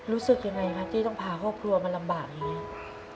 รู้สึกยังไงครับที่ต้องพาครอบครัวมาลำบากอย่างนี้